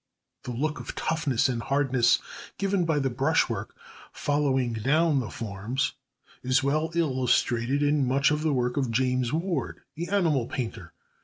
The look of toughness and hardness given by the brush work following down the forms is well illustrated in much of the work of James Ward, the animal painter.